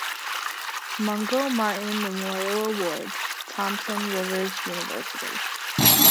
"Mungo Martin-Memorial Awards." "Thompson Rivers University".